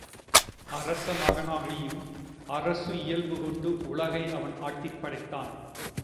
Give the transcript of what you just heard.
அரச மகனாகியும் அசுர இயல்பு கொண்டு உலகை அவன் ஆட்டிப்படைத்தான்.